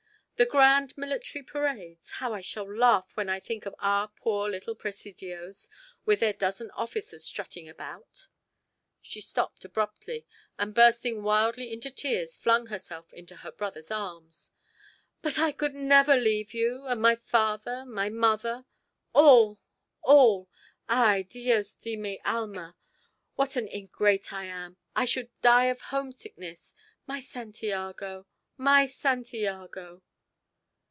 The grand military parades how I shall laugh when I think of our poor little Presidios with their dozen officers strutting about " She stopped abruptly and bursting wildly into tears flung herself into her brother's arms. "But I never could leave you! And my father! my mother! all! all! Ay, Dios de mi alma! what an ingrate I am! I should die of homesickness! My Santiago! My Santiago!"